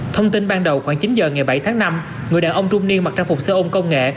thông tin ban đầu khoảng chín giờ ngày bảy tháng năm người đàn ông trung niên mặc trang phục xe ôm công nghệ